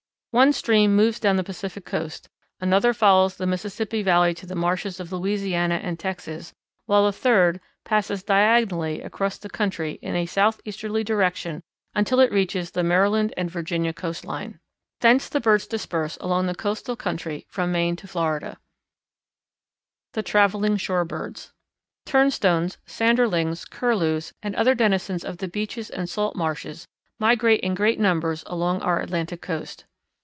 One stream moves down the Pacific Coast, another follows the Mississippi Valley to the marshes of Louisiana and Texas, while a third passes diagonally across the country in a southeasterly direction until it reaches the Maryland and Virginia coastline. Thence the birds disperse along the coastal country from Maine to Florida. [Illustration: Migration Routes of Some North American Birds] The Travelling Shore Birds. Turnstones, Sanderlings, Curlews, and other denizens of the beaches and salt marshes migrate in great numbers along our Atlantic Coast.